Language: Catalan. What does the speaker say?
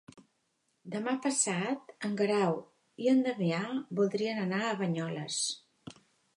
Demà passat en Guerau i en Damià voldrien anar a Banyoles.